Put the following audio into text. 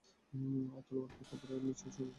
আর তলোয়ারকে কাপড়ের নিচে শরীরের সাথে বেধে নেয়।